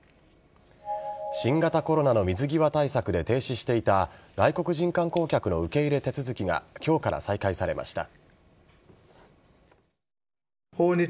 新型コロナの水際対策で停止していた外国人観光客の受け入れ手続きが今日から再開されました。